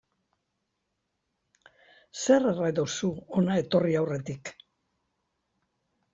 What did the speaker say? Zer erre duzu hona etorri aurretik.